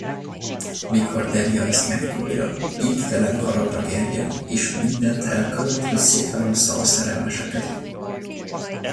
Mikor Delia ezt megtudja, éktelen haragja gerjed és mindent elkövet, hogy szétválassza a szerelmeseket.